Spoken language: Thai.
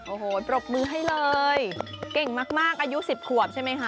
โอ้โหปรบมือให้เลยเก่งมากอายุ๑๐ขวบใช่ไหมคะ